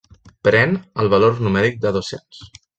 Pren el valor numèric de dos-cents.